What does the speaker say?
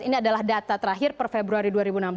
ini adalah data terakhir per februari dua ribu enam belas